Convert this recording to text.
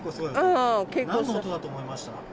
なんの音だと思いました？